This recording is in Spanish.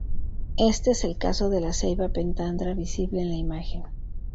Este es el caso de la ceiba pentandra visible en la imagen.